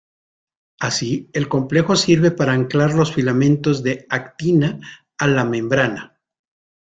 Así, el complejo sirve para anclar los filamentos de actina a la membrana.